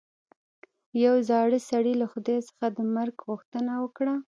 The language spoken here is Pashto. یوه زاړه سړي له خدای څخه د مرګ غوښتنه وکړه.